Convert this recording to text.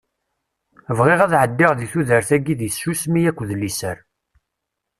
Bɣiɣ ad ɛeddiɣ di tudert-agi di tsusmi akked liser.